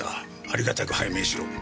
ありがたく拝命しろ。